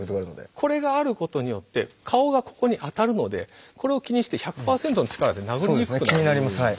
これがあることによって顔がここに当たるのでこれを気にして１００％の力で殴りにくくなって。